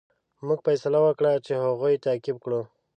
موږ فیصله وکړه چې هغوی تعقیب کړو.